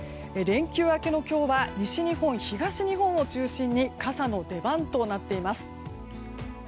連休明けの今日は西日本、東日本を中心に傘の出番となっています。